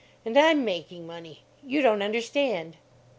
And I'm making money. You don't understand."